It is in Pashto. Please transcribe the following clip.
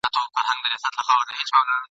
داسي ټکه یې پر کور وه را لوېدلې !.